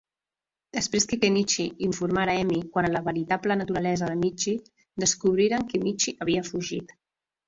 Després que Ken'ichi informara Emmy quant a la veritable naturalesa de Mitchi, descobriren que Michi havia fugit.